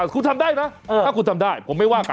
คุณทำได้นะถ้าคุณทำได้ผมไม่ว่ากัน